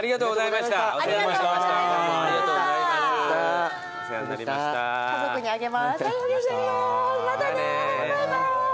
またねバイバイ。